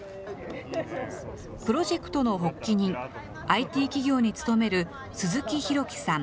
プロジェクトの発起人、ＩＴ企業に勤める鈴木弘樹さん